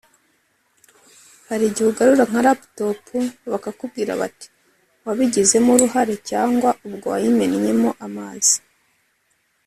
“Hari igihe ugarura nka laptop bakakubwira bati wabigizemo uruhare cyangwa ubwo wayimennyemo amazi